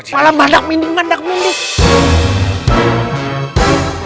malah mandak minding mandak minding